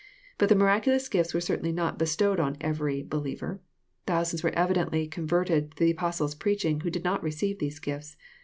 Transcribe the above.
— But the miraculous gifts were certainly not bestowed on every believer. Thousands were evidently con rerted through the Apostles' preaching who did not receive these gifts.